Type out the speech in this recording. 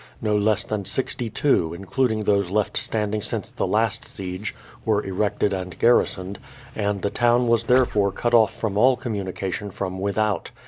No less than sixty two, including those left standing since the last siege, were erected and garrisoned, and the town was therefore cut off from all communication from without.